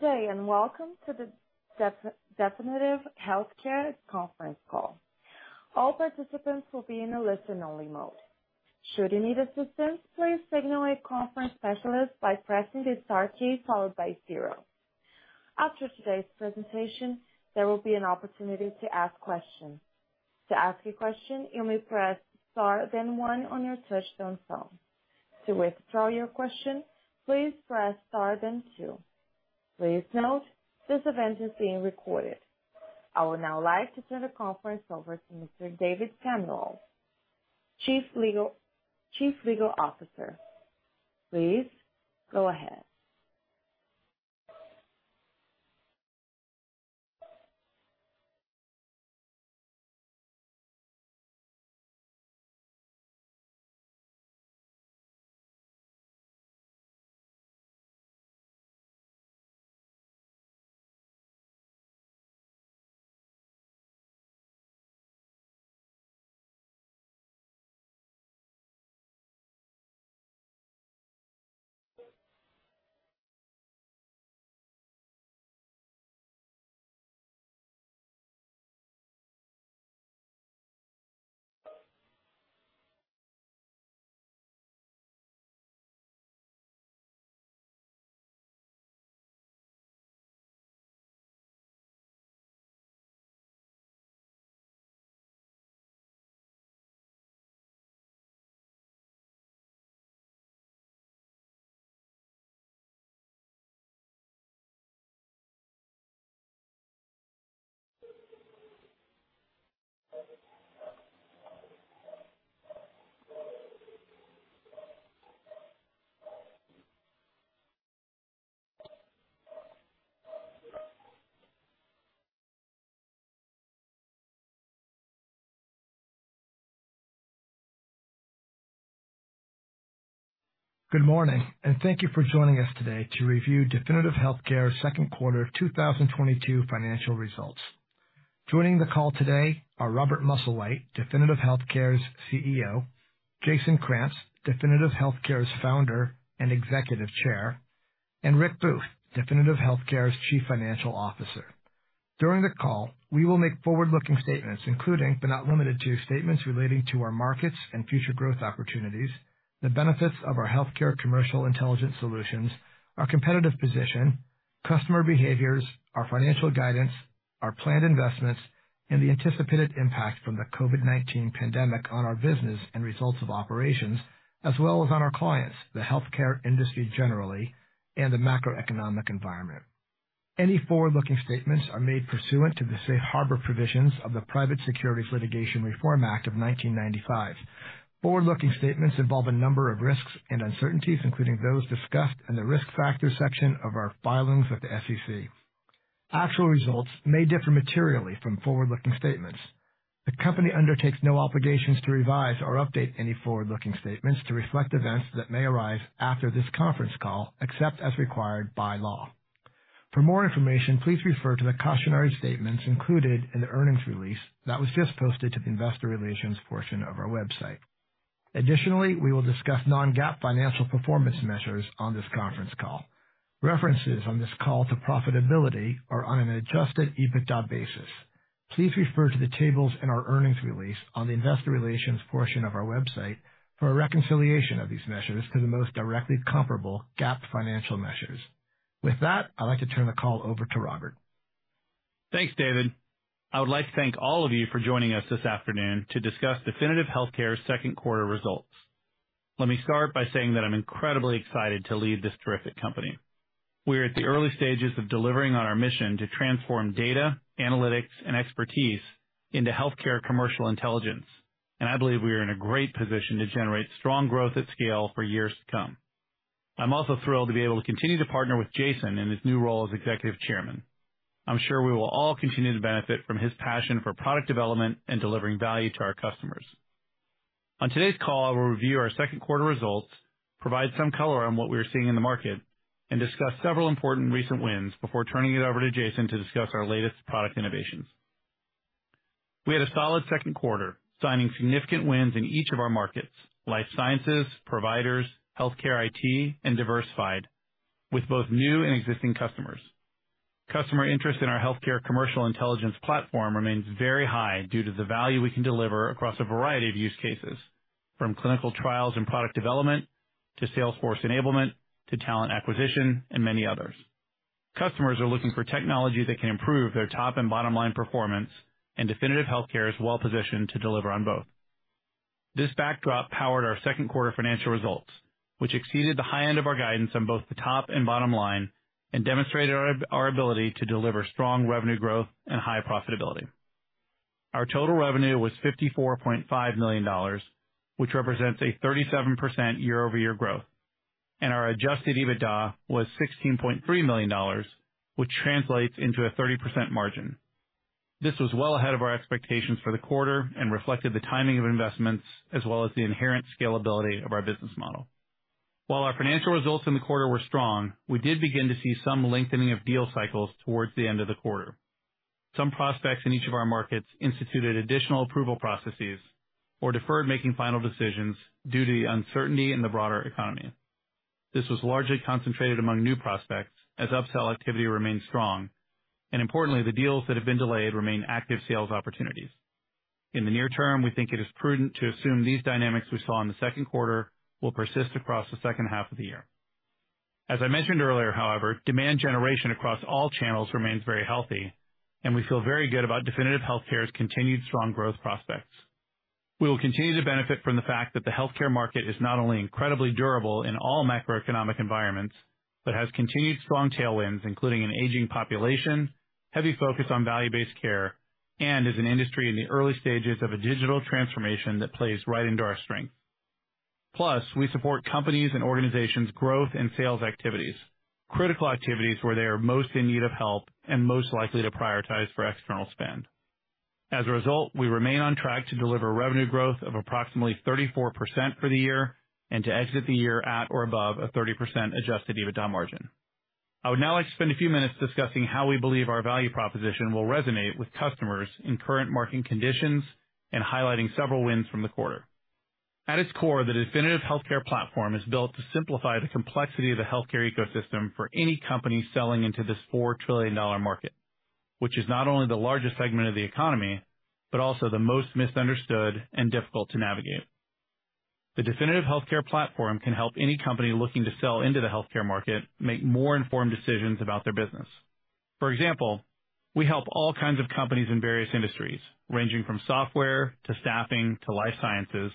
Good day, and welcome to the Definitive Healthcare conference call. All participants will be in a listen-only mode. Should you need assistance, please signal a conference specialist by pressing the star key followed by zero. After today's presentation, there will be an opportunity to ask questions. To ask a question, you may press star then one on your touchtone phone. To withdraw your question, please press star then two. Please note, this event is being recorded. I would now like to turn the conference over to Mr. David Samuels, Chief Legal Officer. Please go ahead. Good morning, and thank you for joining us today to review Definitive Healthcare second quarter 2022 financial results. Joining the call today are Robert Musslewhite, Definitive Healthcare's CEO, Jason Krantz, Definitive Healthcare's Founder and Executive Chair, and Rick Booth, Definitive Healthcare's Chief Financial Officer. During the call, we will make forward-looking statements, including, but not limited to, statements relating to our markets and future growth opportunities, the benefits of our Healthcare Commercial Intelligence solutions, our competitive position, customer behaviors, our financial guidance, our planned investments, and the anticipated impact from the COVID-19 pandemic on our business and results of operations, as well as on our clients, the healthcare industry generally and the macroeconomic environment. Any forward-looking statements are made pursuant to the safe harbor provisions of the Private Securities Litigation Reform Act of 1995. Forward-looking statements involve a number of risks and uncertainties, including those discussed in the Risk Factors section of our filings with the SEC. Actual results may differ materially from forward-looking statements. The company undertakes no obligations to revise or update any forward-looking statements to reflect events that may arise after this conference call, except as required by law. For more information, please refer to the cautionary statements included in the earnings release that was just posted to the investor relations portion of our website. Additionally, we will discuss non-GAAP financial performance measures on this conference call. References on this call to profitability are on an adjusted EBITDA basis. Please refer to the tables in our earnings release on the investor relations portion of our website for a reconciliation of these measures to the most directly comparable GAAP financial measures. With that, I'd like to turn the call over to Robert. Thanks, David. I would like to thank all of you for joining us this afternoon to discuss Definitive Healthcare's second quarter results. Let me start by saying that I'm incredibly excited to lead this terrific company. We are at the early stages of delivering on our mission to transform data, analytics, and expertise into healthcare commercial intelligence, and I believe we are in a great position to generate strong growth at scale for years to come. I'm also thrilled to be able to continue to partner with Jason in his new role as executive chairman. I'm sure we will all continue to benefit from his passion for product development and delivering value to our customers. On today's call, I will review our second quarter results, provide some color on what we are seeing in the market, and discuss several important recent wins before turning it over to Jason to discuss our latest product innovations. We had a solid second quarter, signing significant wins in each of our markets, life sciences, providers, healthcare IT, and diversified, with both new and existing customers. Customer interest in our Healthcare Commercial Intelligence platform remains very high due to the value we can deliver across a variety of use cases, from clinical trials and product development to salesforce enablement to talent acquisition and many others. Customers are looking for technology that can improve their top and bottom line performance, and Definitive Healthcare is well positioned to deliver on both. This backdrop powered our second quarter financial results, which exceeded the high end of our guidance on both the top and bottom line and demonstrated our ability to deliver strong revenue growth and high profitability. Our total revenue was $54.5 million, which represents a 37% year-over-year growth, and our adjusted EBITDA was $16.3 million, which translates into a 30% margin. This was well ahead of our expectations for the quarter and reflected the timing of investments as well as the inherent scalability of our business model. While our financial results in the quarter were strong, we did begin to see some lengthening of deal cycles towards the end of the quarter. Some prospects in each of our markets instituted additional approval processes or deferred making final decisions due to the uncertainty in the broader economy. This was largely concentrated among new prospects as upsell activity remained strong. Importantly, the deals that have been delayed remain active sales opportunities. In the near term, we think it is prudent to assume these dynamics we saw in the second quarter will persist across the second half of the year. As I mentioned earlier, however, demand generation across all channels remains very healthy and we feel very good about Definitive Healthcare's continued strong growth prospects. We will continue to benefit from the fact that the healthcare market is not only incredibly durable in all macroeconomic environments, but has continued strong tailwinds, including an aging population, heavy focus on value-based care, and is an industry in the early stages of a digital transformation that plays right into our strength. We support companies and organizations growth and sales activities, critical activities where they are most in need of help and most likely to prioritize for external spend. As a result, we remain on track to deliver revenue growth of approximately 34% for the year and to exit the year at or above a 30% adjusted EBITDA margin. I would now like to spend a few minutes discussing how we believe our value proposition will resonate with customers in current market conditions and highlighting several wins from the quarter. At its core, the Definitive Healthcare platform is built to simplify the complexity of the healthcare ecosystem for any company selling into this $4 trillion market, which is not only the largest segment of the economy, but also the most misunderstood and difficult to navigate. The Definitive Healthcare platform can help any company looking to sell into the healthcare market make more informed decisions about their business. For example, we help all kinds of companies in various industries, ranging from software to staffing to life sciences,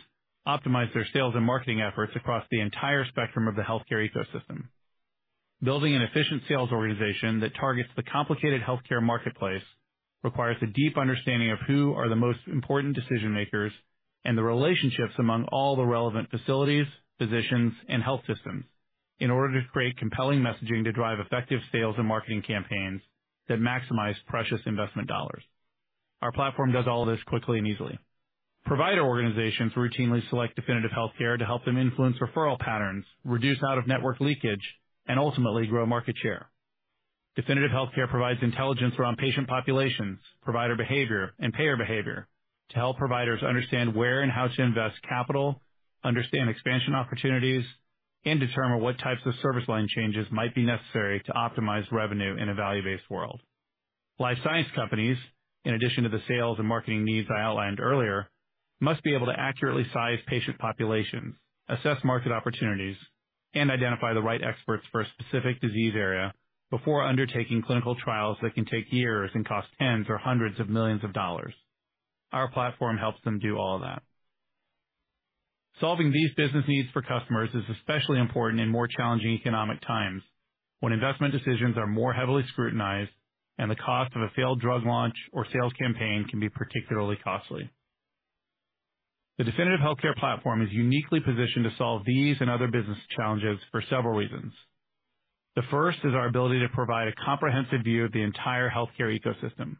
optimize their sales and marketing efforts across the entire spectrum of the healthcare ecosystem. Building an efficient sales organization that targets the complicated healthcare marketplace requires a deep understanding of who are the most important decision makers and the relationships among all the relevant facilities, physicians, and health systems in order to create compelling messaging to drive effective sales and marketing campaigns that maximize precious investment dollars. Our platform does all this quickly and easily. Provider organizations routinely select Definitive Healthcare to help them influence referral patterns, reduce out-of-network leakage, and ultimately grow market share. Definitive Healthcare provides intelligence around patient populations, provider behavior, and payer behavior to help providers understand where and how to invest capital, understand expansion opportunities, and determine what types of service line changes might be necessary to optimize revenue in a value-based world. Life science companies, in addition to the sales and marketing needs I outlined earlier, must be able to accurately size patient populations, assess market opportunities, and identify the right experts for a specific disease area before undertaking clinical trials that can take years and cost tens or hundreds of millions of dollars. Our platform helps them do all of that. Solving these business needs for customers is especially important in more challenging economic times, when investment decisions are more heavily scrutinized and the cost of a failed drug launch or sales campaign can be particularly costly. The Definitive Healthcare platform is uniquely positioned to solve these and other business challenges for several reasons. The first is our ability to provide a comprehensive view of the entire healthcare ecosystem.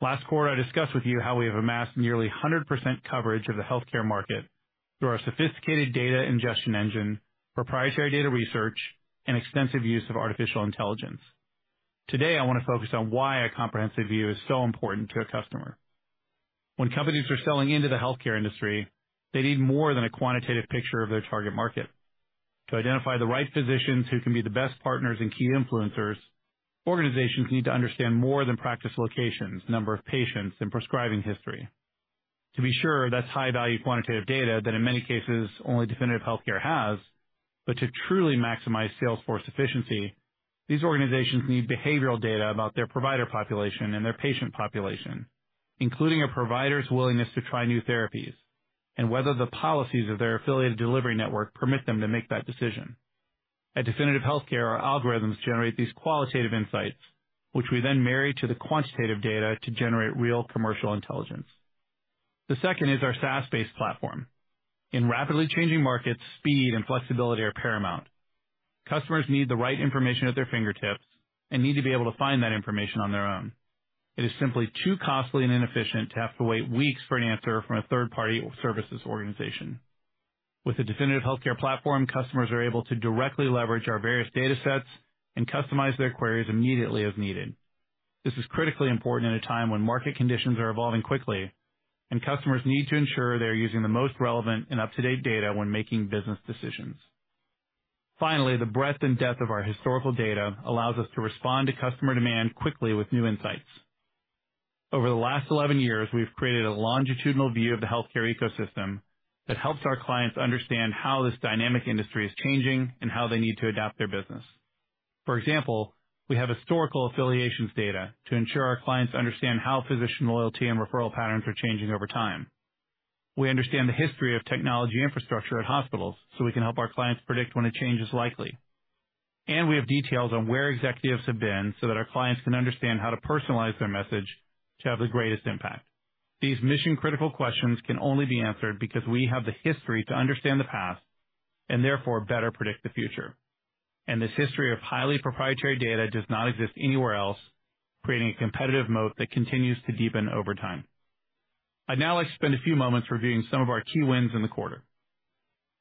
Last quarter, I discussed with you how we have amassed nearly 100% coverage of the healthcare market through our sophisticated data ingestion engine, proprietary data research, and extensive use of artificial intelligence. Today, I wanna focus on why a comprehensive view is so important to a customer. When companies are selling into the healthcare industry, they need more than a quantitative picture of their target market. To identify the right physicians who can be the best partners and key influencers, organizations need to understand more than practice locations, number of patients, and prescribing history. To be sure, that's high value quantitative data that in many cases only Definitive Healthcare has. To truly maximize sales force efficiency, these organizations need behavioral data about their provider population and their patient population, including a provider's willingness to try new therapies and whether the policies of their affiliated delivery network permit them to make that decision. At Definitive Healthcare, our algorithms generate these qualitative insights, which we then marry to the quantitative data to generate real commercial intelligence. The second is our SaaS-based platform. In rapidly changing markets, speed and flexibility are paramount. Customers need the right information at their fingertips and need to be able to find that information on their own. It is simply too costly and inefficient to have to wait weeks for an answer from a third party or services organization. With the Definitive Healthcare platform, customers are able to directly leverage our various datasets and customize their queries immediately as needed. This is critically important in a time when market conditions are evolving quickly and customers need to ensure they're using the most relevant and up-to-date data when making business decisions. Finally, the breadth and depth of our historical data allows us to respond to customer demand quickly with new insights. Over the last 11 years, we've created a longitudinal view of the healthcare ecosystem that helps our clients understand how this dynamic industry is changing and how they need to adapt their business. For example, we have historical affiliations data to ensure our clients understand how physician loyalty and referral patterns are changing over time. We understand the history of technology infrastructure at hospitals, so we can help our clients predict when a change is likely. We have details on where executives have been so that our clients can understand how to personalize their message to have the greatest impact. These mission-critical questions can only be answered because we have the history to understand the past and therefore better predict the future. This history of highly proprietary data does not exist anywhere else, creating a competitive moat that continues to deepen over time. I'd now like to spend a few moments reviewing some of our key wins in the quarter.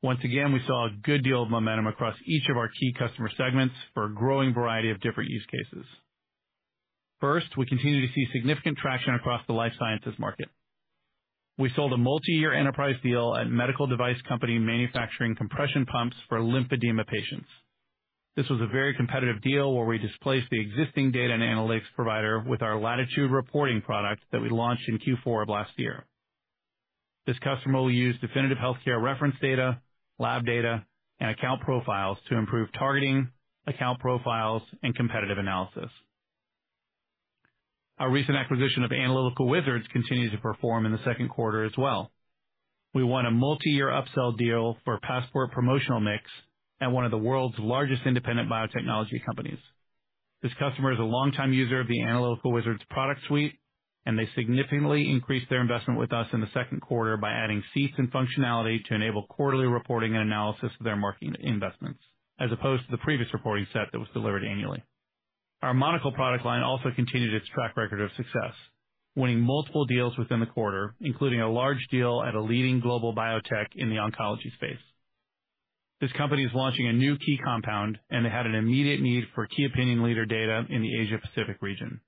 Once again, we saw a good deal of momentum across each of our key customer segments for a growing variety of different use cases. First, we continue to see significant traction across the life sciences market. We sold a multi-year enterprise deal at a medical device company manufacturing compression pumps for lymphedema patients. This was a very competitive deal where we displaced the existing data and analytics provider with our Latitude Reporting product that we launched in Q4 of last year. This customer will use Definitive Healthcare reference data, lab data, and account profiles to improve targeting, account profiles, and competitive analysis. Our recent acquisition of Analytical Wizards continues to perform in the second quarter as well. We won a multi-year upsell deal for Passport Promotional Mix at one of the world's largest independent biotechnology companies. This customer is a long-time user of the Analytical Wizards product suite, and they significantly increased their investment with us in the second quarter by adding seats and functionality to enable quarterly reporting and analysis of their marketing investments, as opposed to the previous reporting set that was delivered annually. Our Monocl product line also continued its track record of success, winning multiple deals within the quarter, including a large deal at a leading global biotech in the oncology space. This company is launching a new key compound, and they had an immediate need for key opinion leader data in the Asia Pacific region.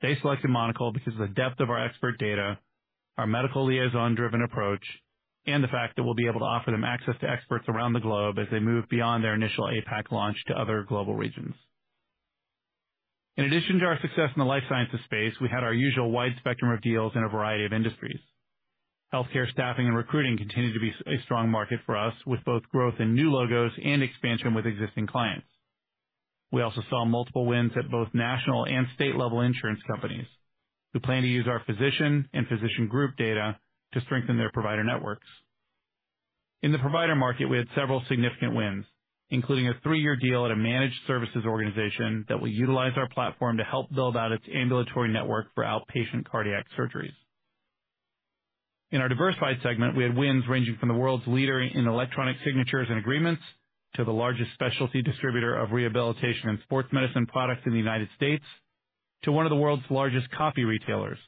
They selected Monocl because of the depth of our expert data, our medical liaison-driven approach, and the fact that we'll be able to offer them access to experts around the globe as they move beyond their initial APAC launch to other global regions. In addition to our success in the life sciences space, we had our usual wide spectrum of deals in a variety of industries. Healthcare staffing and recruiting continued to be a strong market for us, with both growth in new logos and expansion with existing clients. We also saw multiple wins at both national and state-level insurance companies who plan to use our physician and physician group data to strengthen their provider networks. In the provider market, we had several significant wins, including a three-year deal at a managed services organization that will utilize our platform to help build out its ambulatory network for outpatient cardiac surgeries. In our diversified segment, we had wins ranging from the world's leader in electronic signatures and agreements to the largest specialty distributor of rehabilitation and sports medicine products in the United States to one of the world's largest coffee retailers,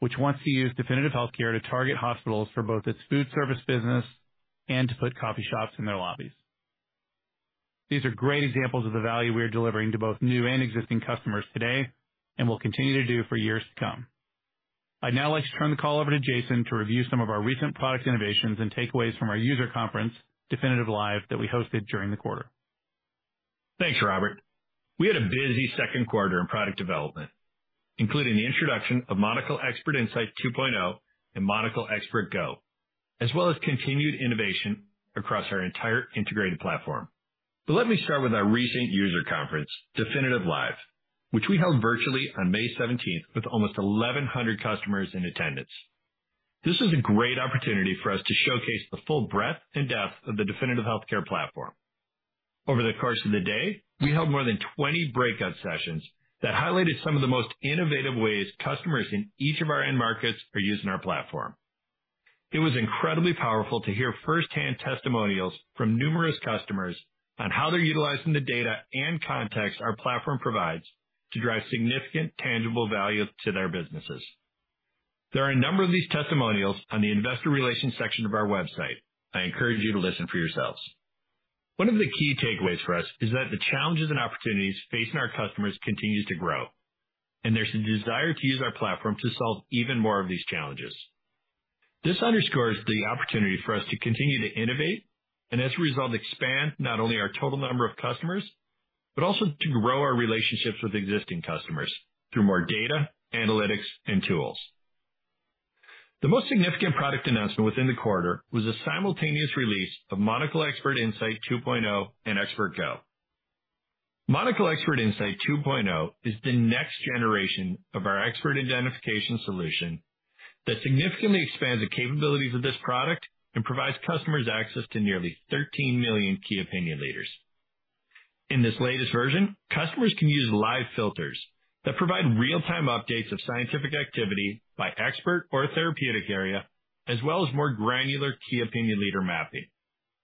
which wants to use Definitive Healthcare to target hospitals for both its food service business and to put coffee shops in their lobbies. These are great examples of the value we are delivering to both new and existing customers today and will continue to do for years to come. I'd now like to turn the call over to Jason to review some of our recent product innovations and takeaways from our user conference, Definitive LIVE!, that we hosted during the quarter. Thanks, Robert. We had a busy second quarter in product development, including the introduction of Monocl ExpertInsight 2.0 and Monocl ExpertGO, as well as continued innovation across our entire integrated platform. Let me start with our recent user conference, Definitive LIVE!, which we held virtually on May seventeenth with almost 1,100 customers in attendance. This was a great opportunity for us to showcase the full breadth and depth of the Definitive Healthcare platform. Over the course of the day, we held more than 20 breakout sessions that highlighted some of the most innovative ways customers in each of our end markets are using our platform. It was incredibly powerful to hear first-hand testimonials from numerous customers on how they're utilizing the data and context our platform provides to drive significant tangible value to their businesses. There are a number of these testimonials on the investor relations section of our website. I encourage you to listen for yourselves. One of the key takeaways for us is that the challenges and opportunities facing our customers continues to grow, and there's a desire to use our platform to solve even more of these challenges. This underscores the opportunity for us to continue to innovate and, as a result, expand not only our total number of customers, but also to grow our relationships with existing customers through more data, analytics, and tools. The most significant product announcement within the quarter was the simultaneous release of Monocl ExpertInsight 2.0 and ExpertGO. Monocl ExpertInsight 2.0 is the next generation of our expert identification solution that significantly expands the capabilities of this product and provides customers access to nearly 13 million key opinion leaders. In this latest version, customers can use live filters that provide real-time updates of scientific activity by expert or therapeutic area, as well as more granular key opinion leader mapping.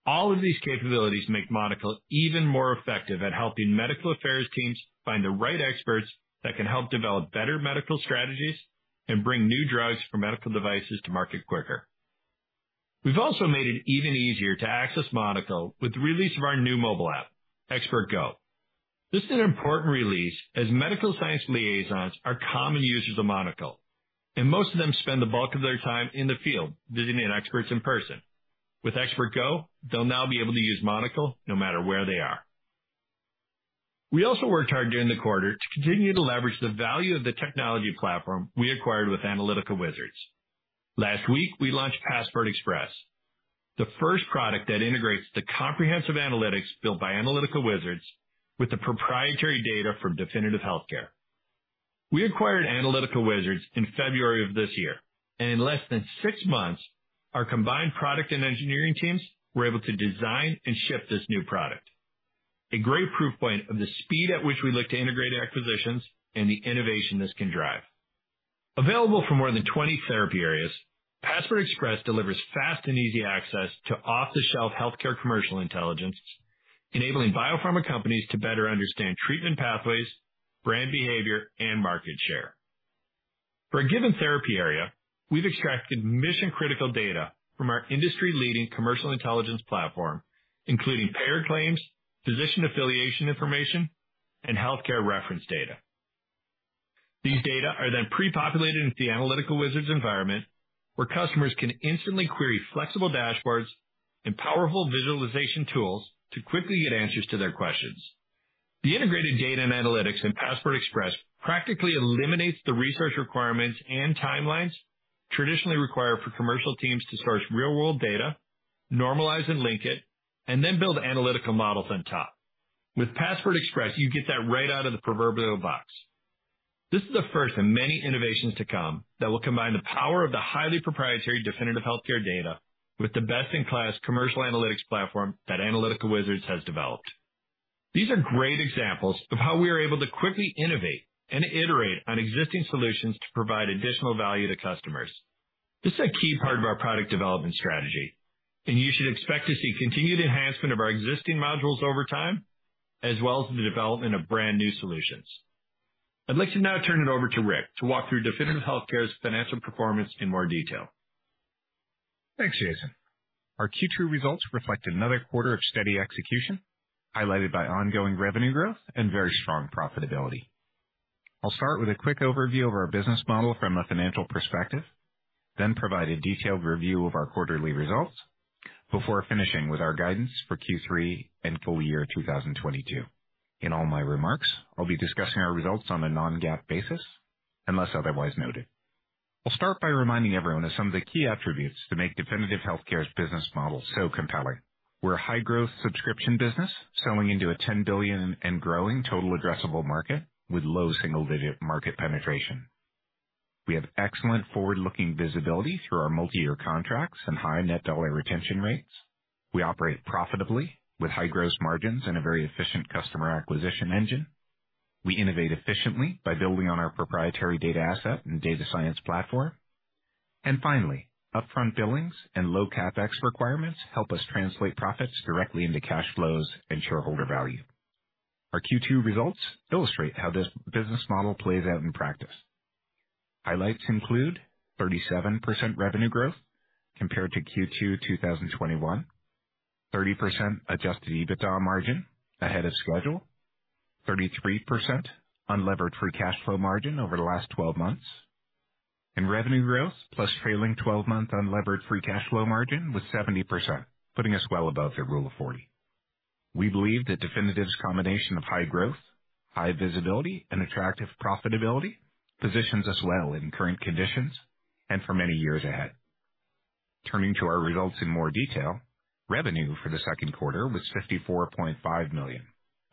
All of these capabilities make Monocl even more effective at helping medical affairs teams find the right experts that can help develop better medical strategies and bring new drugs for medical devices to market quicker. We've also made it even easier to access Monocl with the release of our new mobile app, ExpertGO. This is an important release, as medical science liaisons are common users of Monocl, and most of them spend the bulk of their time in the field visiting experts in person. With ExpertGO, they'll now be able to use Monocl no matter where they are. We also worked hard during the quarter to continue to leverage the value of the technology platform we acquired with Analytical Wizards. Last week, we launched Passport Express, the first product that integrates the comprehensive analytics built by Analytical Wizards with the proprietary data from Definitive Healthcare. We acquired Analytical Wizards in February of this year, and in less than six months, our combined product and engineering teams were able to design and ship this new product. A great proof point of the speed at which we look to integrate acquisitions and the innovation this can drive. Available for more than 20 therapy areas, Passport Express delivers fast and easy access to off-the-shelf healthcare commercial intelligence. Enabling biopharma companies to better understand treatment pathways, brand behavior, and market share. For a given therapy area, we've extracted mission-critical data from our industry-leading commercial intelligence platform, including payer claims, physician affiliation information, and healthcare reference data. These data are then pre-populated into the Analytical Wizards environment, where customers can instantly query flexible dashboards and powerful visualization tools to quickly get answers to their questions. The integrated data and analytics in Passport Express practically eliminates the research requirements and timelines traditionally required for commercial teams to source real-world data, normalize and link it, and then build analytical models on top. With Passport Express, you get that right out of the proverbial box. This is the first of many innovations to come that will combine the power of the highly proprietary Definitive Healthcare data with the best-in-class commercial analytics platform that Analytical Wizards has developed. These are great examples of how we are able to quickly innovate and iterate on existing solutions to provide additional value to customers. This is a key part of our product development strategy, and you should expect to see continued enhancement of our existing modules over time, as well as the development of brand new solutions. I'd like to now turn it over to Rick to walk through Definitive Healthcare's financial performance in more detail. Thanks, Jason. Our Q2 results reflect another quarter of steady execution, highlighted by ongoing revenue growth and very strong profitability. I'll start with a quick overview of our business model from a financial perspective, then provide a detailed review of our quarterly results before finishing with our guidance for Q3 and full year 2022. In all my remarks, I'll be discussing our results on a non-GAAP basis unless otherwise noted. I'll start by reminding everyone of some of the key attributes to make Definitive Healthcare's business model so compelling. We're a high-growth subscription business selling into a $10 billion and growing total addressable market with low single-digit market penetration. We have excellent forward-looking visibility through our multi-year contracts and high net dollar retention rates. We operate profitably with high gross margins and a very efficient customer acquisition engine. We innovate efficiently by building on our proprietary data asset and data science platform. Finally, upfront billings and low CapEx requirements help us translate profits directly into cash flows and shareholder value. Our Q2 results illustrate how this business model plays out in practice. Highlights include 37% revenue growth compared to Q2 2021, 30% adjusted EBITDA margin ahead of schedule, 33% unlevered free cash flow margin over the last twelve months, and revenue growth plus trailing twelve-month unlevered free cash flow margin with 70%, putting us well above the Rule of 40. We believe that Definitive's combination of high growth, high visibility, and attractive profitability positions us well in current conditions and for many years ahead. Turning to our results in more detail, revenue for the second quarter was $54.5 million,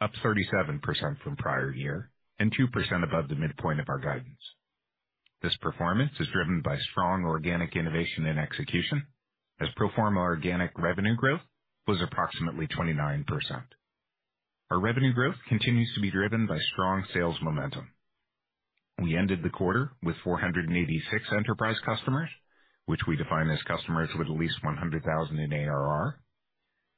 up 37% from prior year and 2% above the midpoint of our guidance. This performance is driven by strong organic innovation and execution as pro forma organic revenue growth was approximately 29%. Our revenue growth continues to be driven by strong sales momentum. We ended the quarter with 486 enterprise customers, which we define as customers with at least $100,000 in ARR.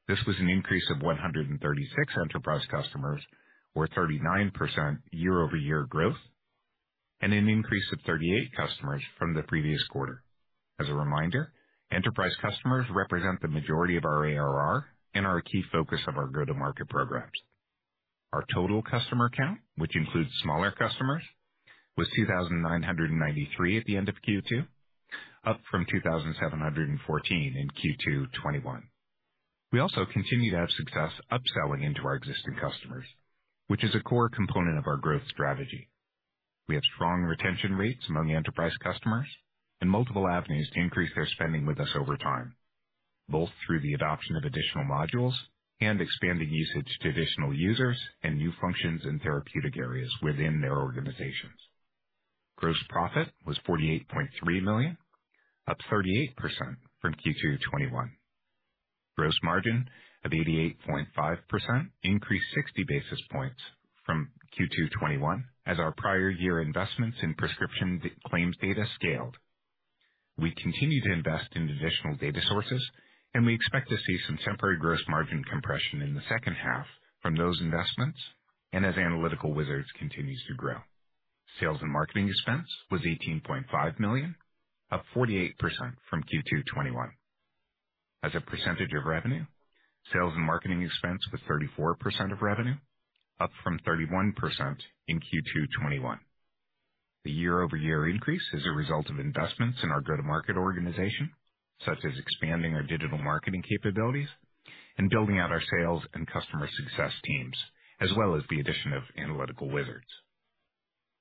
This was an increase of 136 enterprise customers or 39% year-over-year growth and an increase of 38 customers from the previous quarter. As a reminder, enterprise customers represent the majority of our ARR and are a key focus of our go-to-market programs. Our total customer count, which includes smaller customers, was 2,993 at the end of Q2, up from 2,714 in Q2 2021. We also continue to have success upselling into our existing customers, which is a core component of our growth strategy. We have strong retention rates among enterprise customers and multiple avenues to increase their spending with us over time, both through the adoption of additional modules and expanding usage to additional users and new functions in therapeutic areas within their organizations. Gross profit was $48.3 million, up 38% from Q2 2021. Gross margin of 88.5% increased 60 basis points from Q2 2021 as our prior year investments in prescription claims data scaled. We continue to invest in additional data sources, and we expect to see some temporary gross margin compression in the second half from those investments and as Analytical Wizards continues to grow. Sales and marketing expense was $18.5 million, up 48% from Q2 2021. As a percentage of revenue, sales and marketing expense was 34% of revenue, up from 31% in Q2 2021. The year-over-year increase is a result of investments in our go-to-market organization, such as expanding our digital marketing capabilities and building out our sales and customer success teams, as well as the addition of Analytical Wizards.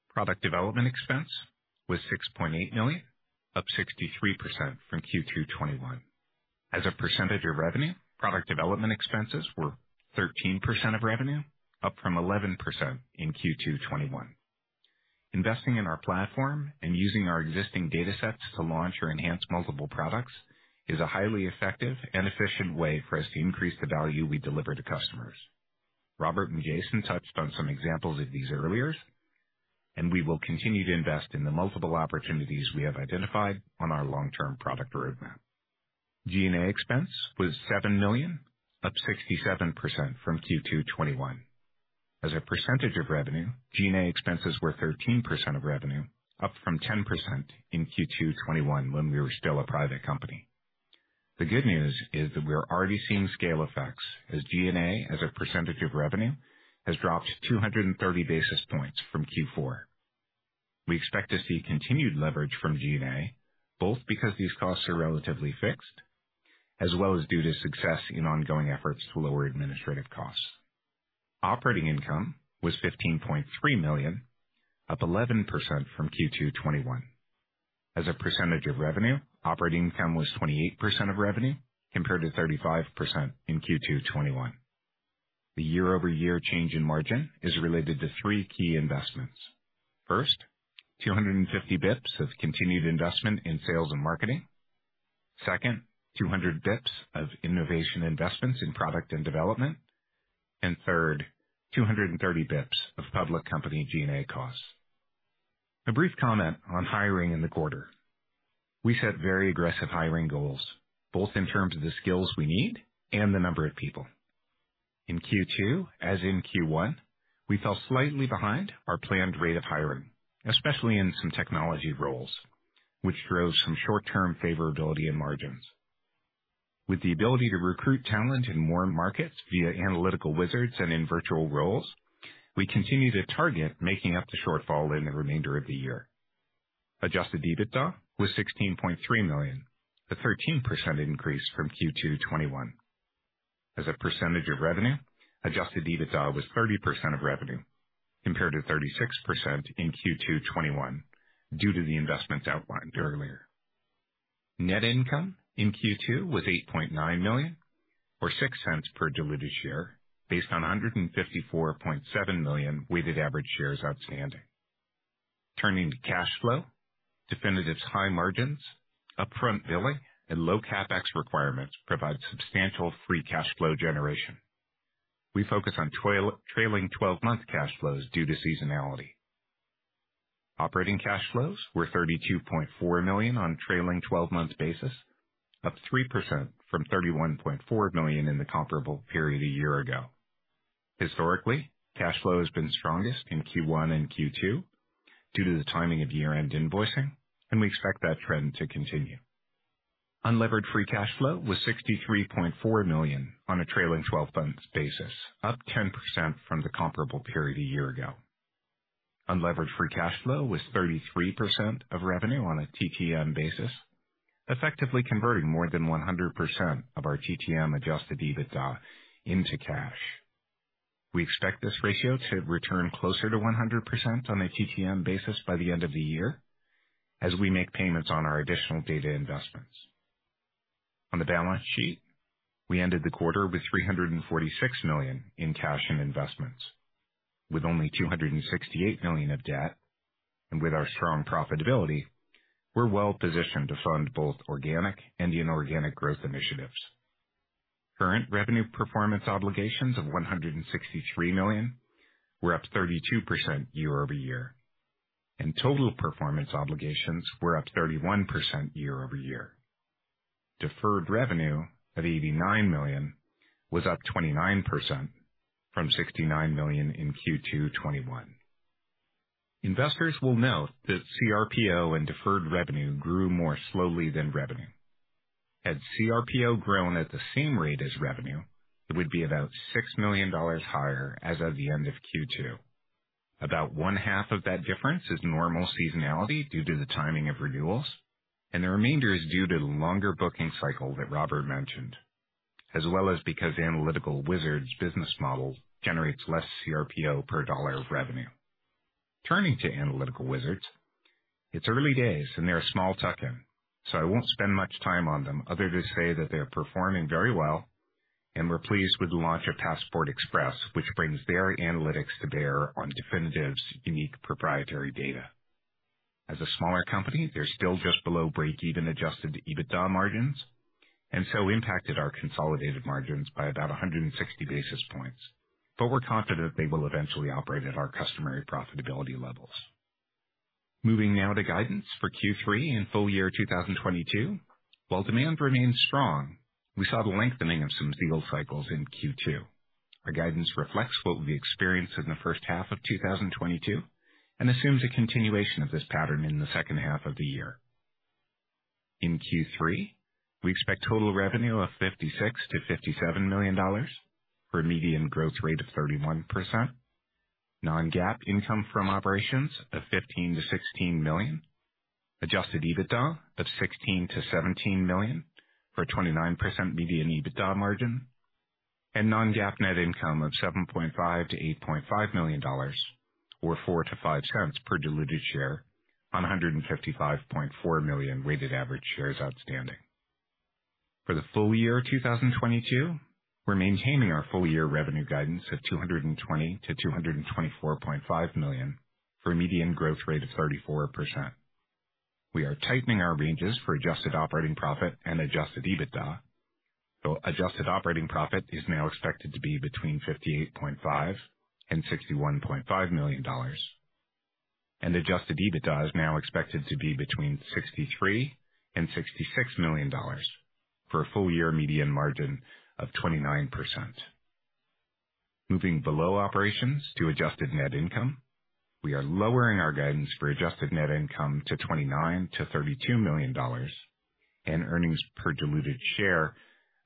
Product development expense was $6.8 million, up 63% from Q2 2021. As a percentage of revenue, product development expenses were 13% of revenue, up from 11% in Q2 2021. Investing in our platform and using our existing datasets to launch or enhance multiple products is a highly effective and efficient way for us to increase the value we deliver to customers. Robert Musslewhite and Jason Krantz touched on some examples of these earlier. We will continue to invest in the multiple opportunities we have identified on our long-term product roadmap. G&A expense was $7 million, up 67% from Q2 2021. As a percentage of revenue, G&A expenses were 13% of revenue, up from 10% in Q2 2021 when we were still a private company. The good news is that we are already seeing scale effects as G&A as a percentage of revenue has dropped 230 basis points from Q4 2021. We expect to see continued leverage from G&A both because these costs are relatively fixed as well as due to success in ongoing efforts to lower administrative costs. Operating income was $15.3 million, up 11% from Q2 2021. As a percentage of revenue, operating income was 28% of revenue compared to 35% in Q2 2021. The year-over-year change in margin is related to three key investments. First, 250 BPS of continued investment in sales and marketing. Second, 200 BPS of innovation investments in product and development. Third, 230 BPS of public company G&A costs. A brief comment on hiring in the quarter. We set very aggressive hiring goals, both in terms of the skills we need and the number of people. In Q2, as in Q1, we fell slightly behind our planned rate of hiring, especially in some technology roles, which drove some short-term favorability in margins. With the ability to recruit talent in more markets via Analytical Wizards and in virtual roles, we continue to target making up the shortfall in the remainder of the year. Adjusted EBITDA was $16.3 million, a 13% increase from Q2 2021. As a percentage of revenue, adjusted EBITDA was 30% of revenue compared to 36% in Q2 2021 due to the investments outlined earlier. Net income in Q2 was $8.9 million or $0.06 per diluted share based on 154.7 million weighted-average shares outstanding. Turning to cash flow, Definitive's high margins, upfront billing, and low CapEx requirements provide substantial free cash flow generation. We focus on trailing twelve-month cash flows due to seasonality. Operating cash flows were $32.4 million on a trailing twelve-month basis, up 3% from $31.4 million in the comparable period a year ago. Historically, cash flow has been strongest in Q1 and Q2 due to the timing of year-end invoicing, and we expect that trend to continue. Unlevered free cash flow was $63.4 million on a trailing twelve-month basis, up 10% from the comparable period a year ago. Unlevered free cash flow was 33% of revenue on a TTM basis, effectively converting more than 100% of our TTM adjusted EBITDA into cash. We expect this ratio to return closer to 100% on a TTM basis by the end of the year as we make payments on our additional data investments. On the balance sheet, we ended the quarter with $346 million in cash and investments. With only $268 million of debt, and with our strong profitability, we're well positioned to fund both organic and inorganic growth initiatives. Current revenue performance obligations of $163 million were up 32% year-over-year, and total performance obligations were up 31% year-over-year. Deferred revenue at $89 million was up 29% from $69 million in Q2 2021. Investors will note that CRPO and deferred revenue grew more slowly than revenue. Had CRPO grown at the same rate as revenue, it would be about $6 million higher as of the end of Q2. About one half of that difference is normal seasonality due to the timing of renewals, and the remainder is due to the longer booking cycle that Robert mentioned, as well as because Analytical Wizards' business model generates less CRPO per dollar of revenue. Turning to Analytical Wizards, it's early days and they're a small tuck-in, so I won't spend much time on them other than to say that they are performing very well and we're pleased with the launch of Passport Express, which brings their analytics to bear on Definitive's unique proprietary data. As a smaller company, they're still just below break-even adjusted EBITDA margins and so impacted our consolidated margins by about 160 basis points. We're confident they will eventually operate at our customary profitability levels. Moving now to guidance for Q3 and full year 2022. While demand remains strong, we saw the lengthening of some deal cycles in Q2. Our guidance reflects what we experienced in the first half of 2022 and assumes a continuation of this pattern in the second half of the year. In Q3, we expect total revenue of $56.0 million-$57.0 million for a median growth rate of 31%. Non-GAAP income from operations of $15.0 Million-$16.0 Million. Adjusted EBITDA of $16.0 Million-$17.0 Million for a 29% median EBITDA margin. Non-GAAP net income of $7.5 million-$8.5 million or 4-5 cents per diluted share on a 155.4 million weighted-average shares outstanding. For the full year 2022, we're maintaining our full year revenue guidance of $220 million-$224.5 million for a median growth rate of 34%. We are tightening our ranges for adjusted operating profit and adjusted EBITDA. Adjusted operating profit is now expected to be between $58.5 million and $61.5 million. Adjusted EBITDA is now expected to be between $63 million and $66 million for a full year median margin of 29%. Moving beyond operations to adjusted net income. We are lowering our guidance for adjusted net income to $29 million-$32 million and earnings per diluted share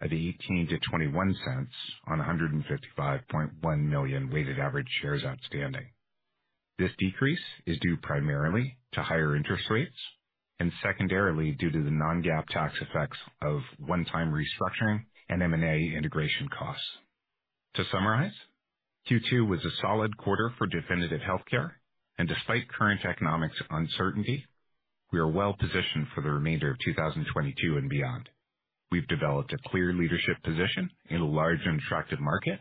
of $0.18-$0.21 on a 155.1 million weighted-average shares outstanding. This decrease is due primarily to higher interest rates and secondarily due to the non-GAAP tax effects of one-time restructuring and M&A integration costs. To summarize, Q2 was a solid quarter for Definitive Healthcare, and despite current economic uncertainty, we are well positioned for the remainder of 2022 and beyond. We've developed a clear leadership position in a large and attractive market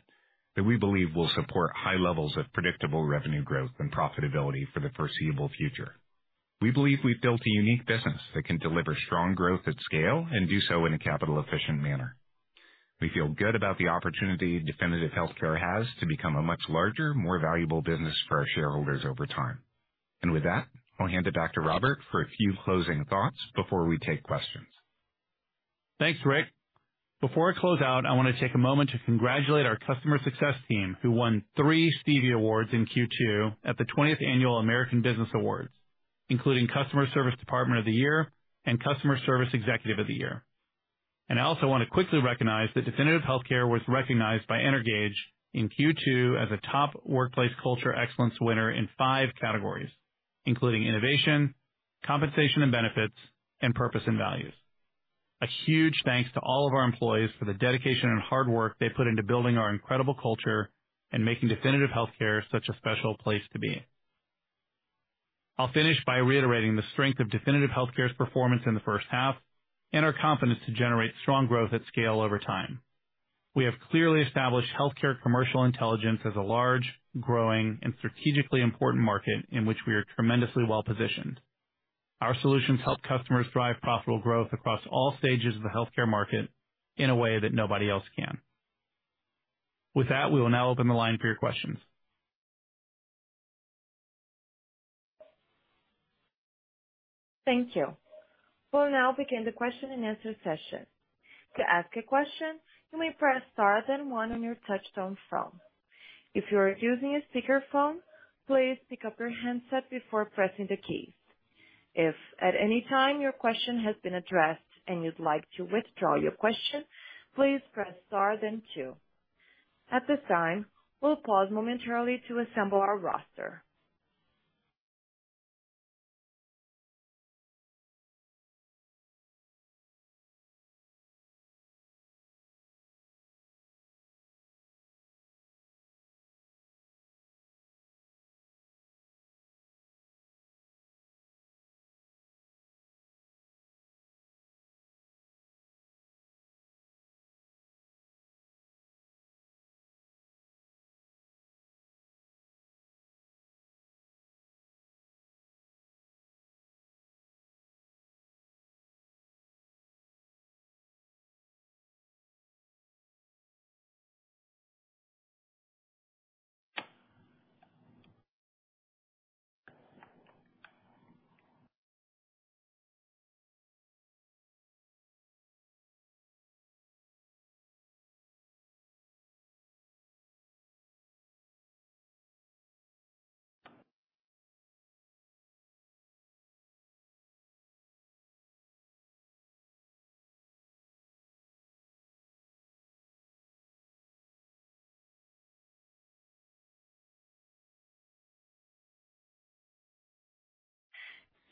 that we believe will support high levels of predictable revenue growth and profitability for the foreseeable future. We believe we've built a unique business that can deliver strong growth at scale and do so in a capital efficient manner. We feel good about the opportunity Definitive Healthcare has to become a much larger, more valuable business for our shareholders over time. With that, I'll hand it back to Robert for a few closing thoughts before we take questions. Thanks, Rick. Before I close out, I wanna take a moment to congratulate our customer success team, who won 3 Stevie Awards in Q2 at the 20th Annual American Business Awards, including Customer Service Department of the Year and Customer Service Executive of the Year. I also wanna quickly recognize that Definitive Healthcare was recognized by Energage in Q2 as a top workplace culture excellence winner in 5 categories, including innovation, compensation and benefits, and purpose and values. A huge thanks to all of our employees for the dedication and hard work they put into building our incredible culture and making Definitive Healthcare such a special place to be. I'll finish by reiterating the strength of Definitive Healthcare's performance in the first half and our confidence to generate strong growth at scale over time. We have clearly established healthcare commercial intelligence as a large, growing, and strategically important market in which we are tremendously well positioned. Our solutions help customers drive profitable growth across all stages of the healthcare market in a way that nobody else can. With that, we will now open the line for your questions. Thank you. We'll now begin the question and answer session. To ask a question, you may press star then one on your touchtone phone. If you are using a speakerphone, please pick up your handset before pressing the key. If at any time your question has been addressed and you'd like to withdraw your question, please press star then two. At this time, we'll pause momentarily to assemble our roster.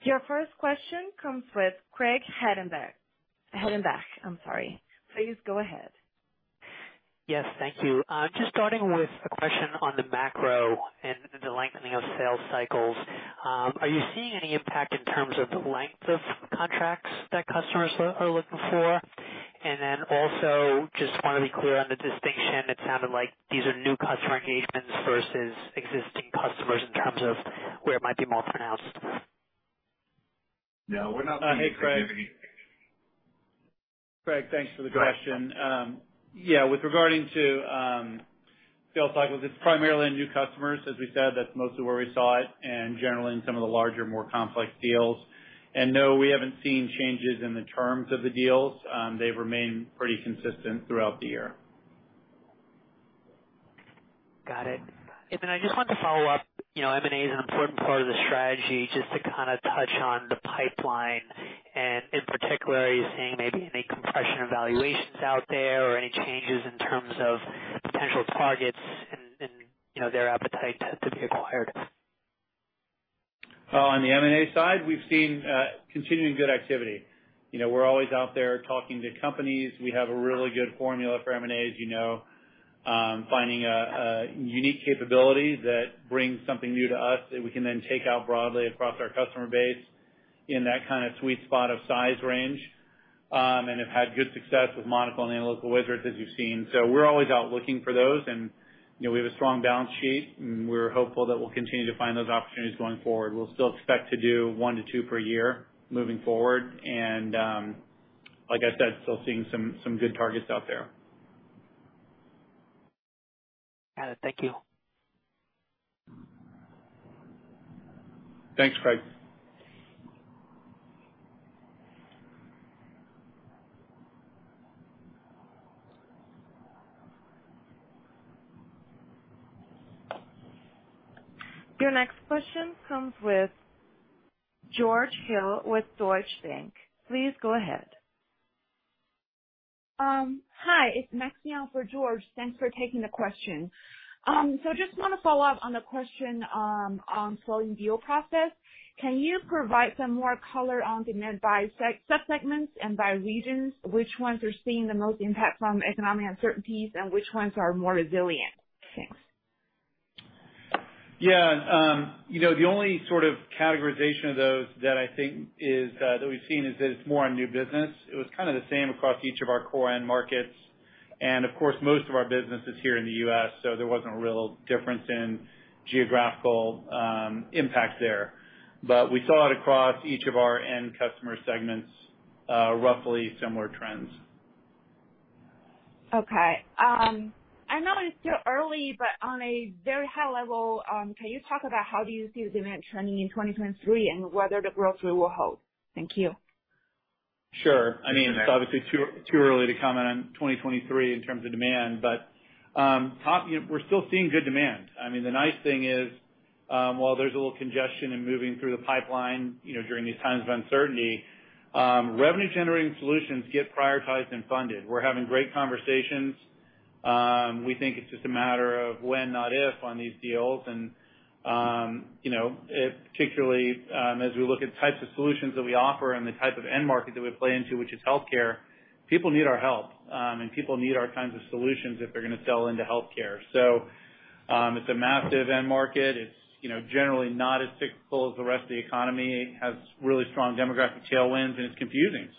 Your first question comes from Craig Hettenbach. Hettenbach, I'm sorry. Please go ahead. Yes, thank you. Just starting with a question on the macro and the lengthening of sales cycles, are you seeing any impact in terms of length of contracts that customers are looking for? Also just wanna be clear on the distinction. It sounded like these are new customer engagements versus existing customers in terms of where it might be more pronounced. No, we're not. Hey, Craig. Craig, thanks for the question. Yeah, with regard to sales cycles, it's primarily in new customers. As we said, that's mostly where we saw it and generally in some of the larger, more complex deals. No, we haven't seen changes in the terms of the deals. They've remained pretty consistent throughout the year. Got it. I just wanted to follow up, you know, M&A is an important part of the strategy, just to kinda touch on the pipeline and in particular, are you seeing maybe any compression in valuations out there or any changes in terms of potential targets and, you know, their appetite to be acquired? On the M&A side, we've seen continuing good activity. You know, we're always out there talking to companies. We have a really good formula for M&A, as you know. Finding a unique capability that brings something new to us that we can then take out broadly across our customer base in that kinda sweet spot of size range. Have had good success with Monocl and Analytical Wizards, as you've seen. We're always out looking for those and, you know, we have a strong balance sheet, and we're hopeful that we'll continue to find those opportunities going forward. We'll still expect to do 1-2 per year moving forward. Like I said, still seeing some good targets out there. Got it. Thank you. Thanks, Craig. Your next question comes with George Hill with Deutsche Bank. Please go ahead. Hi. It's Max Young for George Hill. Thanks for taking the question. Just wanna follow up on the question, on slowing deal process. Can you provide some more color on demand by seg-subsegments and by regions? Which ones are seeing the most impact from economic uncertainties and which ones are more resilient? Thanks. Yeah. You know, the only sort of categorization of those that I think is that we've seen is that it's more on new business. It was kinda the same across each of our core end markets, and of course, most of our business is here in the U.S., so there wasn't a real difference in geographical impact there. We saw it across each of our end customer segments, roughly similar trends. Okay. I know it's still early, but on a very high level, can you talk about how do you see the demand trending in 2023 and whether the growth rate will hold? Thank you. Sure. I mean, it's obviously too early to comment on 2023 in terms of demand, but you know, we're still seeing good demand. I mean, the nice thing is, while there's a little congestion in moving through the pipeline, you know, during these times of uncertainty, revenue generating solutions get prioritized and funded. We're having great conversations. We think it's just a matter of when, not if, on these deals. You know, it particularly, as we look at types of solutions that we offer and the type of end market that we play into, which is healthcare, people need our help, and people need our kinds of solutions if they're gonna sell into healthcare. It's a massive end market. It's, you know, generally not as cyclical as the rest of the economy. It has really strong demographic tailwinds, and it's confusing.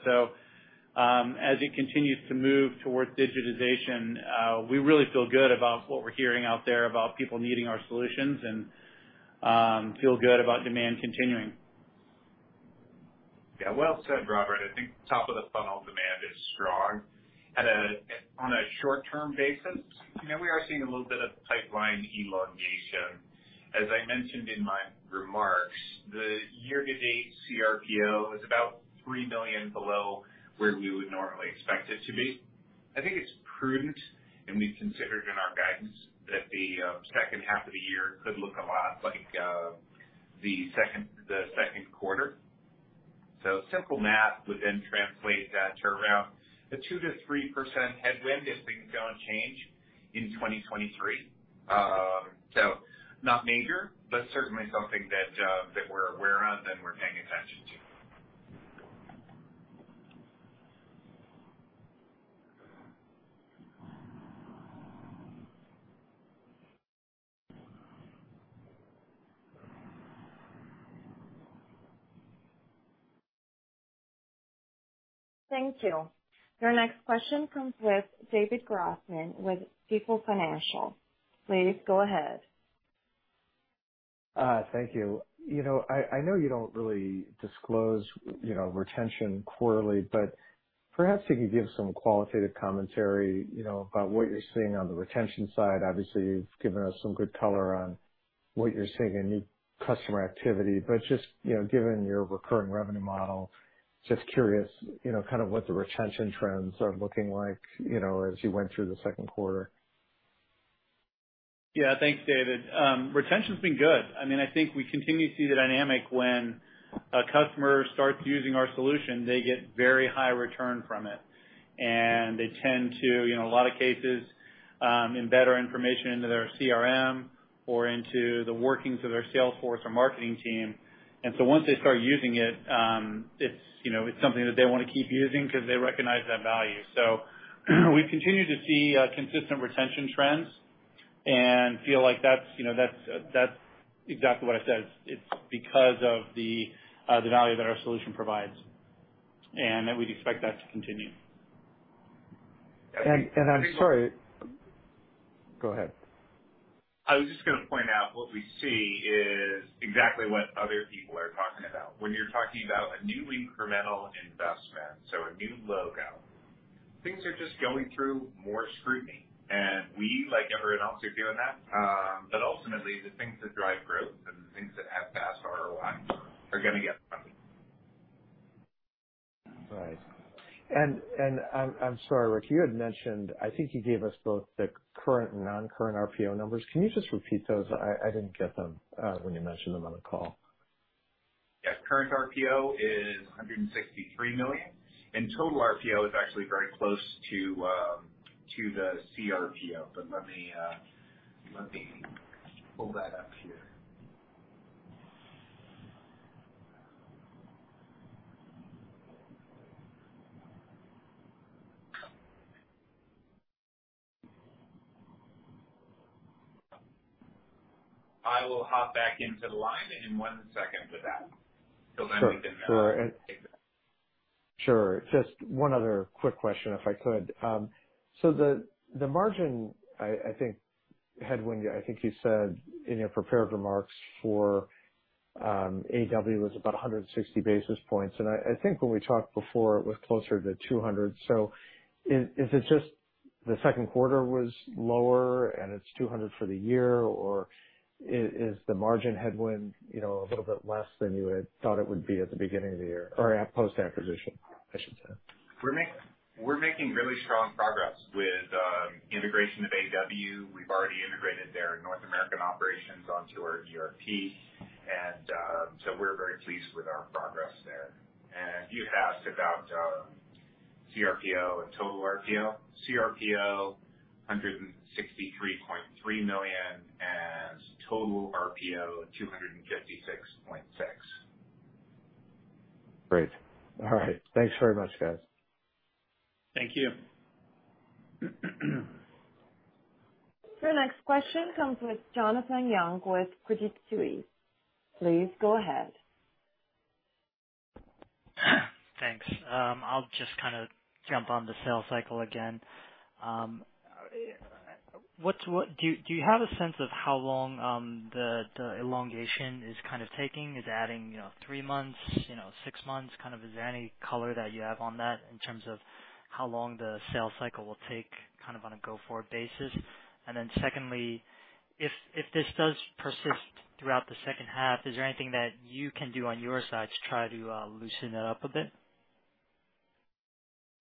As it continues to move toward digitization, we really feel good about what we're hearing out there about people needing our solutions and feel good about demand continuing. Yeah, well said, Robert. I think top of the funnel demand is strong. On a short-term basis, you know, we are seeing a little bit of pipeline elongation. As I mentioned in my remarks, the year-to-date CRPO is about $3 million below where we would normally expect it to be. I think it's prudent, and we've considered in our guidance that the second half of the year could look a lot like the second quarter. Simple math would then translate that to around a 2%-3% headwind if things don't change in 2023. Not major, but certainly something that we're aware of and we're paying attention to. Thank you. Your next question comes from David Grossman of Stifel Financial. Please go ahead. Thank you. You know, I know you don't really disclose, you know, retention quarterly, but perhaps you could give some qualitative commentary, you know, about what you're seeing on the retention side. Obviously, you've given us some good color on what you're seeing in new customer activity. Just, you know, given your recurring revenue model, just curious, you know, kind of what the retention trends are looking like, you know, as you went through the second quarter. Yeah. Thanks, David. Retention's been good. I mean, I think we continue to see the dynamic when a customer starts using our solution, they get very high return from it. They tend to, you know, a lot of cases, embed our information into their CRM or into the workings of their Salesforce or marketing team. Once they start using it's, you know, it's something that they wanna keep using 'cause they recognize that value. We continue to see consistent retention trends and feel like that's, you know, exactly what I said. It's because of the value that our solution provides. We'd expect that to continue. I'm sorry. Go ahead. I was just gonna point out what we see is exactly what other people are talking about. When you're talking about a new incremental investment, so a new logo, things are just going through more scrutiny. We, like everyone else, are doing that. Ultimately the things that drive growth and the things that have fast ROI are gonna get funded. Right. I'm sorry, Rick, you had mentioned, I think you gave us both the current and non-current RPO numbers. Can you just repeat those? I didn't get them when you mentioned them on the call. Current RPO is $163 million, and total RPO is actually very close to the CRPO. Let me pull that up here. I will hop back into the line in one second for that. Sure. Just one other quick question, if I could. The margin headwind, I think you said in your prepared remarks for AW was about 160 basis points. I think when we talked before, it was closer to 200. Is it just the second quarter was lower and it's 200 for the year? Or is the margin headwind, you know, a little bit less than you had thought it would be at the beginning of the year or at post-acquisition, I should say? We're making really strong progress with integration of AW. We've already integrated their North American operations onto our ERP, and so we're very pleased with our progress there. You'd asked about CRPO and total RPO. CRPO, $163.3 million, and total RPO, $256.6 million. Great. All right. Thanks very much, guys. Thank you. The next question comes with Jonathan Young with Credit Suisse. Please go ahead. Thanks. I'll just kinda jump on the sales cycle again. What's, do you have a sense of how long the elongation is kind of taking? Is adding, you know, 3 months, you know, 6 months, kind of? Is there any color that you have on that in terms of how long the sales cycle will take kind of on a go-forward basis? Secondly, if this does persist throughout the second half, is there anything that you can do on your side to try to loosen it up a bit?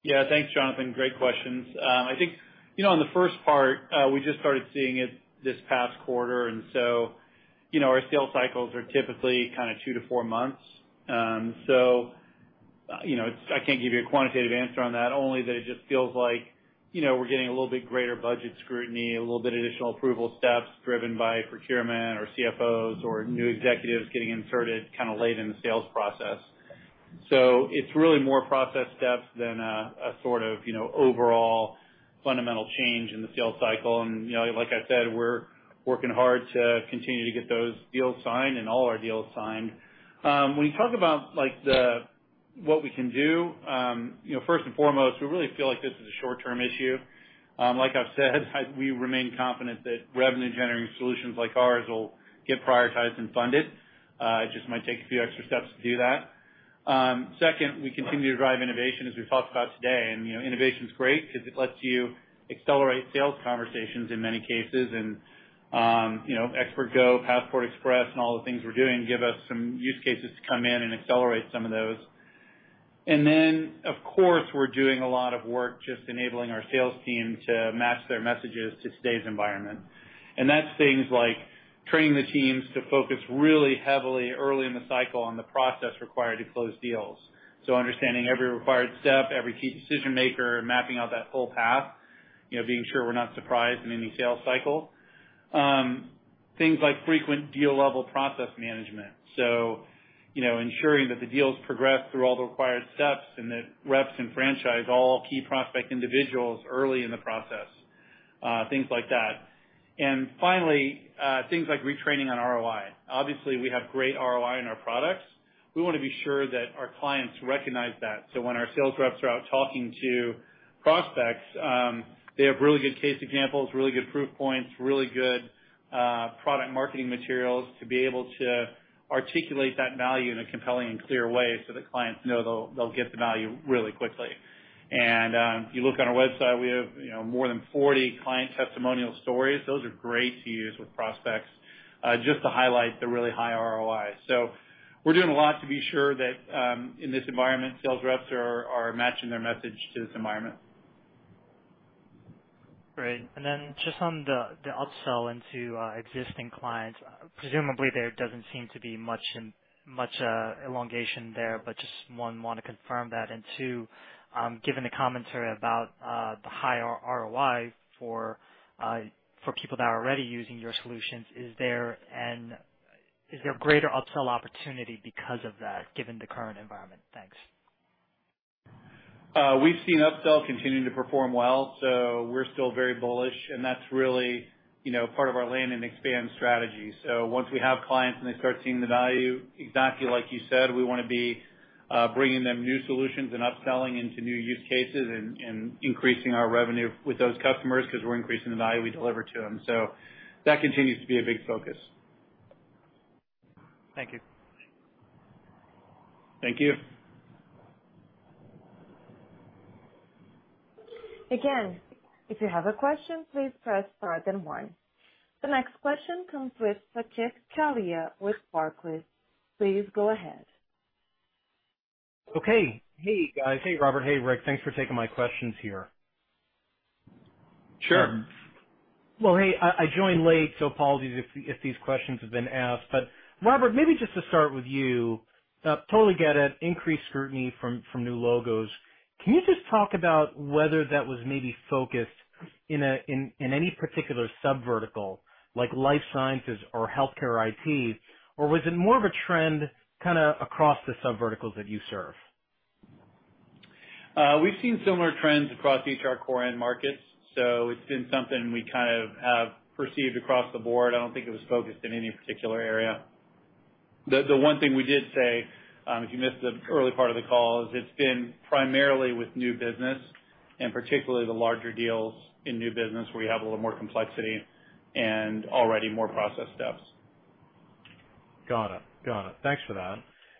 Yeah. Thanks, Jonathan. Great questions. I think, you know, on the first part, we just started seeing it this past quarter, and so, you know, our sales cycles are typically kinda 2-4 months. So, you know, I can't give you a quantitative answer on that, only that it just feels like, you know, we're getting a little bit greater budget scrutiny, a little bit additional approval steps driven by procurement or CFOs or new executives getting inserted kinda late in the sales process. So it's really more process steps than a sort of, you know, overall fundamental change in the sales process. You know, like I said, we're working hard to continue to get those deals signed and all our deals signed. When you talk about, like, what we can do, you know, first and foremost, we really feel like this is a short-term issue. Like I've said, we remain confident that revenue-generating solutions like ours will get prioritized and funded. It just might take a few extra steps to do that. Second, we continue to drive innovation as we talked about today. You know, innovation's great 'cause it lets you accelerate sales conversations in many cases. You know, ExpertGO, Passport Express, and all the things we're doing give us some use cases to come in and accelerate some of those. Of course, we're doing a lot of work just enabling our sales team to match their messages to today's environment. That's things like training the teams to focus really heavily early in the cycle on the process required to close deals. Understanding every required step, every key decision maker, mapping out that full path, you know, being sure we're not surprised in any sales cycle. Things like frequent deal level process management. You know, ensuring that the deals progress through all the required steps and that reps enfranchise all key prospect individuals early in the process, things like that. Finally, things like retraining on ROI. Obviously, we have great ROI in our products. We wanna be sure that our clients recognize that. When our sales reps are out talking to prospects, they have really good case examples, really good proof points, really good product marketing materials to be able to articulate that value in a compelling and clear way so that clients know they'll get the value really quickly. If you look on our website, we have more than 40 client testimonial stories. Those are great to use with prospects just to highlight the really high ROI. We're doing a lot to be sure that in this environment, sales reps are matching their message to this environment. Great. Then just on the upsell into existing clients, presumably, there doesn't seem to be much elongation there, but just one, wanna confirm that. Two, given the commentary about the higher ROI for people that are already using your solutions, is there greater upsell opportunity because of that, given the current environment? Thanks. We've seen upsell continuing to perform well, so we're still very bullish, and that's really, you know, part of our land and expand strategy. Once we have clients and they start seeing the value, exactly like you said, we wanna be bringing them new solutions and upselling into new use cases and increasing our revenue with those customers 'cause we're increasing the value we deliver to them. That continues to be a big focus. Thank you. Thank you. Again, if you have a question, please press star then one. The next question comes with Saket Kalia with Barclays. Please go ahead. Okay. Hey, guys. Hey, Robert. Hey, Rick. Thanks for taking my questions here. Sure. Well, hey, I joined late, so apologies if these questions have been asked. Robert, maybe just to start with you, totally get it, increased scrutiny from new logos. Can you just talk about whether that was maybe focused in any particular sub-vertical like life sciences or healthcare IT, or was it more of a trend kinda across the sub-verticals that you serve? We've seen similar trends across each of our core end markets, so it's been something we kind of have perceived across the board. I don't think it was focused in any particular area. The one thing we did say, if you missed the early part of the call, is it's been primarily with new business and particularly the larger deals in new business where you have a little more complexity and already more process steps. Got it. Thanks for that.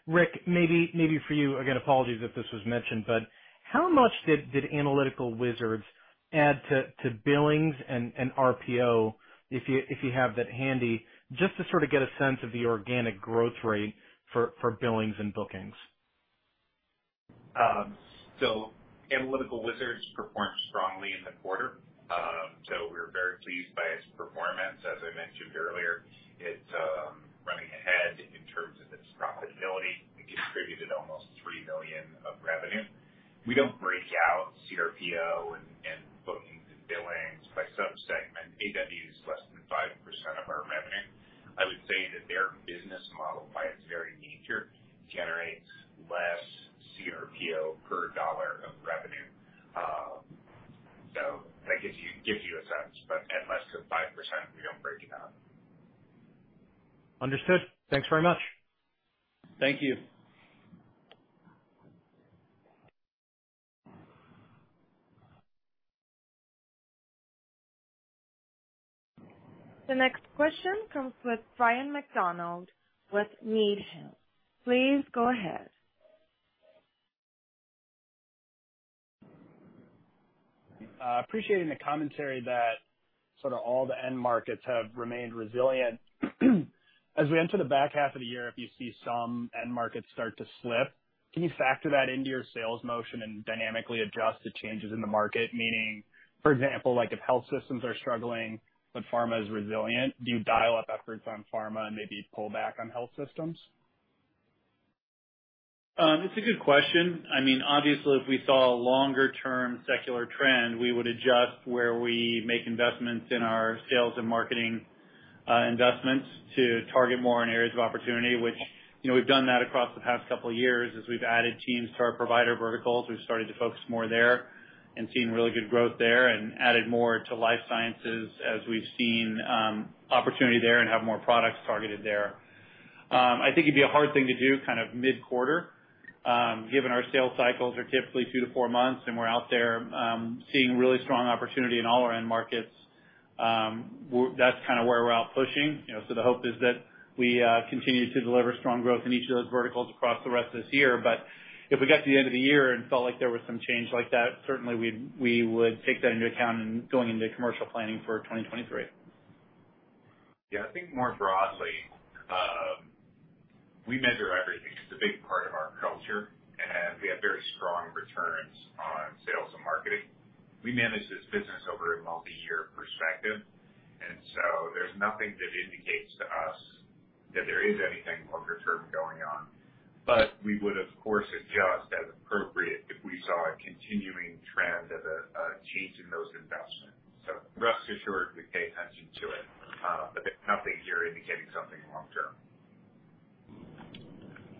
Rick, maybe for you, again, apologies if this was mentioned, but how much did Analytical Wizards add to billings and RPO if you have that handy, just to sort of get a sense of the organic growth rate for billings and bookings? Analytical Wizards performed strongly in the quarter. We were very pleased by its performance. As I mentioned earlier, it's running ahead in terms of its profitability. It contributed almost $3 million of revenue. We don't break out CRPO and bookings and billings by sub-segment. AW is less than 5% of our revenue. I would say that their business model, by its very nature, generates less CRPO per dollar of revenue. That gives you a sense, but at less than 5%, we don't break it out. Understood. Thanks very much. Thank you. The next question comes with Ryan MacDonald with Needham. Please go ahead. Appreciating the commentary that sort of all the end markets have remained resilient. As we enter the back half of the year, if you see some end markets start to slip, can you factor that into your sales motion and dynamically adjust to changes in the market? Meaning, for example, like if health systems are struggling, but pharma is resilient, do you dial up efforts on pharma and maybe pull back on health systems? It's a good question. I mean, obviously, if we saw a longer-term secular trend, we would adjust where we make investments in our sales and marketing investments to target more in areas of opportunity, which, you know, we've done that across the past couple of years. As we've added teams to our provider verticals, we've started to focus more there and seen really good growth there and added more to life sciences as we've seen opportunity there and have more products targeted there. I think it'd be a hard thing to do kind of mid-quarter, given our sales cycles are typically 2-4 months, and we're out there seeing really strong opportunity in all our end markets. That's kind of where we're out pushing. You know, the hope is that we continue to deliver strong growth in each of those verticals across the rest of this year. If we got to the end of the year and felt like there was some change like that, certainly we would take that into account in going into commercial planning for 2023. Yeah, I think more broadly, we measure everything. It's a big part of our culture, and we have very strong returns on sales and marketing. We manage this business over a multi-year perspective, and so there's nothing that indicates to us that there is anything longer term going on. But we would of course adjust as appropriate if we saw a continuing trend of a change in those investments. So rest assured we pay attention to it, but there's nothing here indicating something long term.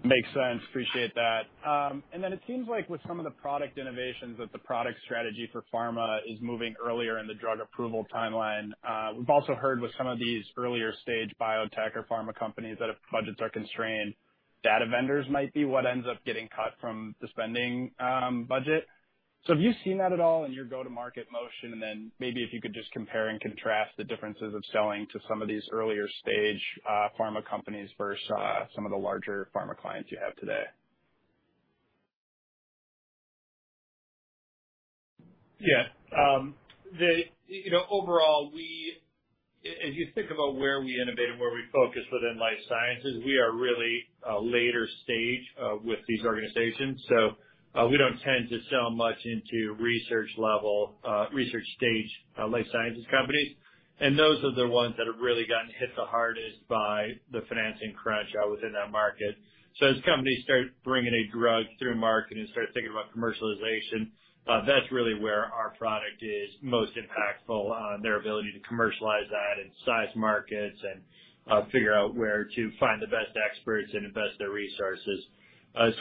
Makes sense. Appreciate that. It seems like with some of the product innovations, that the product strategy for pharma is moving earlier in the drug approval timeline. We've also heard with some of these earlier stage biotech or pharma companies that if budgets are constrained, data vendors might be what ends up getting cut from the spending budget. Have you seen that at all in your go-to-market motion? Maybe if you could just compare and contrast the differences of selling to some of these earlier stage pharma companies versus some of the larger pharma clients you have today. Yeah. You know, overall, as you think about where we innovate and where we focus within life sciences, we are really a later stage with these organizations. We don't tend to sell much into research level, research stage life sciences companies, and those are the ones that have really gotten hit the hardest by the financing crunch within that market. As companies start bringing a drug to market and start thinking about commercialization, that's really where our product is most impactful on their ability to commercialize that and size markets and figure out where to find the best experts and invest their resources.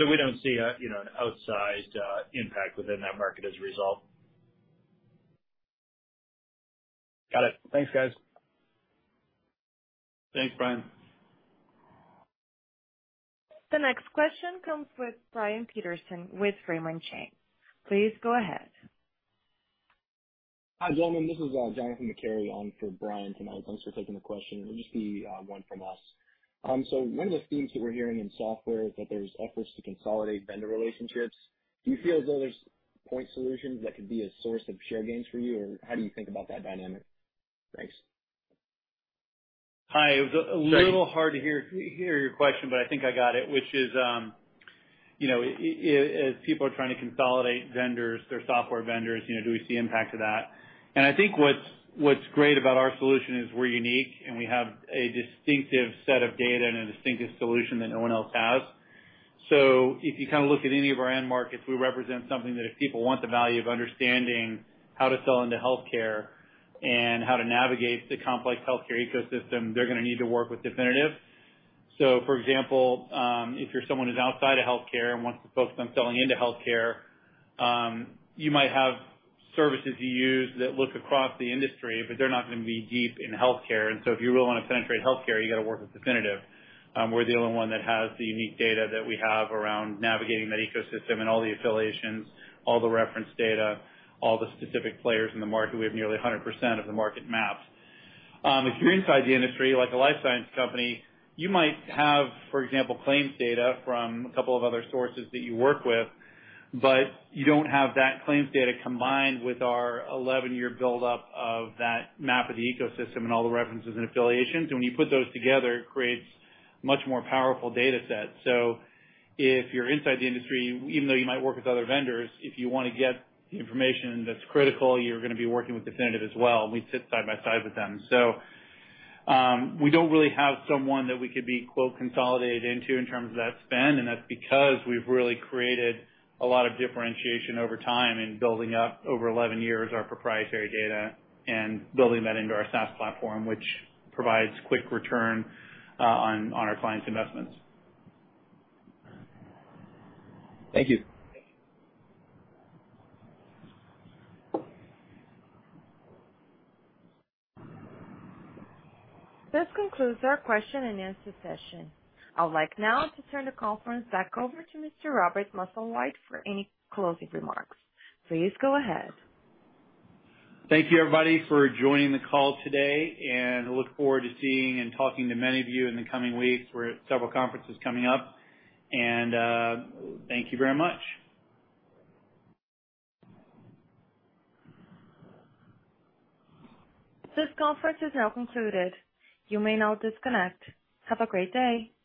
We don't see a, you know, an outsized impact within that market as a result. Got it. Thanks, guys. Thanks, Brian. The next question comes with Brian Peterson with Raymond James. Please go ahead. Hi, gentlemen. This is Jonathan Macari on for Brian tonight. Thanks for taking the question. It'll just be one from us. One of the themes that we're hearing in software is that there's efforts to consolidate vendor relationships. Do you feel as though there's point solutions that could be a source of share gains for you, or how do you think about that dynamic? Thanks. Hi. Sorry. It was a little hard to hear your question, but I think I got it, which is, you know, as people are trying to consolidate vendors, their software vendors, you know, do we see impact to that? I think what's great about our solution is we're unique, and we have a distinctive set of data and a distinctive solution that no one else has. If you kind of look at any of our end markets, we represent something that if people want the value of understanding how to sell into healthcare and how to navigate the complex healthcare ecosystem, they're gonna need to work with Definitive. For example, if you're someone who's outside of healthcare and wants to focus on selling into healthcare, you might have services you use that look across the industry, but they're not gonna be deep in healthcare. If you really wanna penetrate healthcare, you gotta work with Definitive. We're the only one that has the unique data that we have around navigating that ecosystem and all the affiliations, all the reference data, all the specific players in the market. We have nearly 100% of the market mapped. If you're inside the industry like a life science company, you might have, for example, claims data from a couple of other sources that you work with, but you don't have that claims data combined with our eleven-year buildup of that map of the ecosystem and all the references and affiliations. When you put those together, it creates much more powerful data set. If you're inside the industry, even though you might work with other vendors, if you wanna get the information that's critical, you're gonna be working with Definitive as well, and we sit side by side with them. We don't really have someone that we could be, quote, "consolidated into" in terms of that spend, and that's because we've really created a lot of differentiation over time in building up over 11 years, our proprietary data and building that into our SaaS platform, which provides quick return on our clients' investments. Thank you. This concludes our question and answer session. I would like now to turn the conference back over to Mr. Robert Musslewhite for any closing remarks. Please go ahead. Thank you, everybody, for joining the call today, and I look forward to seeing and talking to many of you in the coming weeks. We're at several conferences coming up, and thank you very much. This conference is now concluded. You may now disconnect. Have a great day.